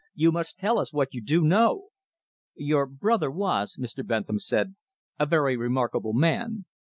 "You must tell us what you do know." "Your brother was," Mr. Bentham said, "a very remarkable man.